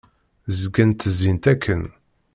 Zgant ttezzint akken.